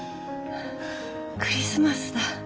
クリスマスだ。